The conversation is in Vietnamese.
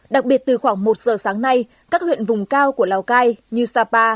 đặc biệt từ khoảng một giờ sáng nay các huyện vùng cao của lào cai như sapa